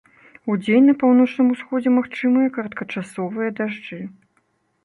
Удзень на паўночным усходзе магчымыя кароткачасовыя дажджы.